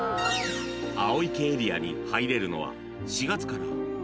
［青池エリアに入れるのは４月から１１月まで］